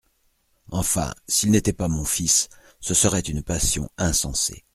Enfin, s’il n’était pas mon fils, ce serait une passion insensée !